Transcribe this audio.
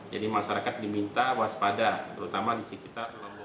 jadi masyarakat diminta waspada terutama di sekitar lombok